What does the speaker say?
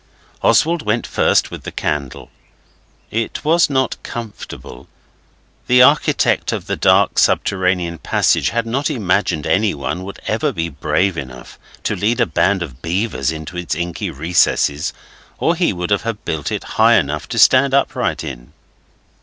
Oswald went first with the candle. It was not comfortable; the architect of that dark subterranean passage had not imagined anyone would ever be brave enough to lead a band of beavers into its inky recesses, or he would have built it high enough to stand upright in.